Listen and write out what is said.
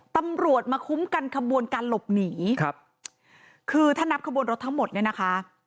ตำรวจมาคุ้มกันขบวนการหลบหนีครับคือถ้านับขบวนรถทั้งหมดเนี่ยนะคะ